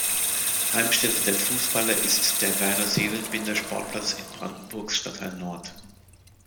Heimstätte der Fußballer ist der Werner-Seelenbinder-Sportplatz in Brandenburgs Stadtteil Nord.